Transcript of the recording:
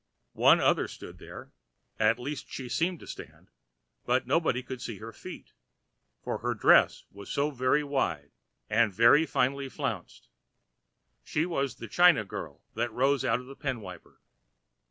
One other stood there, at least she seemed to stand, but nobody could see her feet, for her dress was so very wide and so finely flounced. She was the china girl that rose out of a pen wiper.